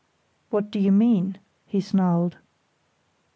"What do you mean?" he snarled.